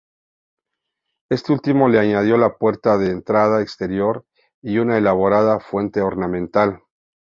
Este último le añadió la puerta de entrada exterior y una elaborada fuente ornamental.